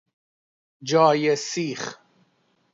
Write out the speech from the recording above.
جای سیخ